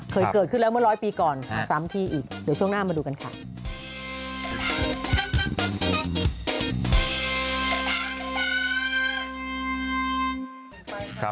เคยเกิดขึ้นแล้วเมื่อร้อยปีก่อนมาซ้ำทีอีกเดี๋ยวช่วงหน้ามาดูกันค่ะ